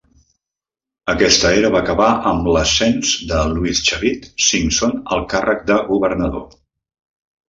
Aquesta era va acabar amb l'ascens de Luis "Chavit" Singson al càrrec de governador.